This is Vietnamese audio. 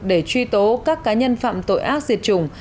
để truy tố các cá nhân phạm tội ác diệt chủng